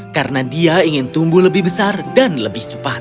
karena dia ingin tumbuh lebih besar dan lebih cepat